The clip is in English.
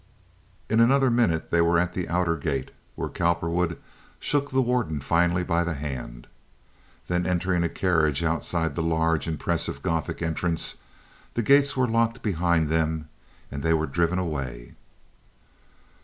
In another minute they were at the outer gate, where Cowperwood shook the warden finally by the hand. Then entering a carriage outside the large, impressive, Gothic entrance, the gates were locked behind them and they were driven away.